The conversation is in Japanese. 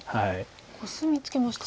コスミツケました。